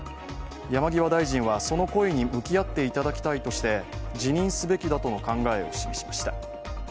山際大臣は、その声に向き合っていただきたいとして、辞任すべきだとの考えを示しました。